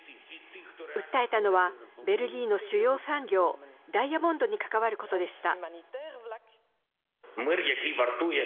訴えたのはベルギーの主要産業ダイヤモンドに関わることでした。